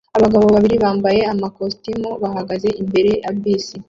Abagabo babiri bambaye amakositimu bahagaze imbere ya bisi